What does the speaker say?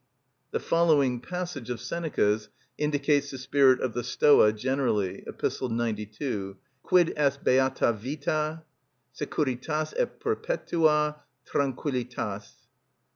_" The following passage of Seneca's indicates the spirit of the Stoa generally (Ep. 92): "_Quid est beata vita? Securitas et perpetua tranquillitas.